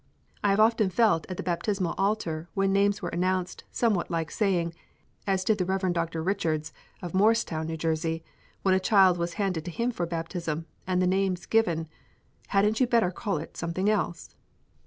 I have often felt at the baptismal altar when names were announced somewhat like saying, as did the Rev. Dr. Richards, of Morristown, New Jersey, when a child was handed to him for baptism, and the names given, "Hadn't you better call it something else?"